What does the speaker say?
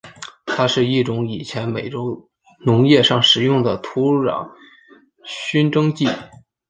它是一种于以前美洲农业上使用的土壤熏蒸剂。